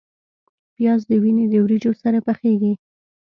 پیاز د وینې د وریجو سره پخیږي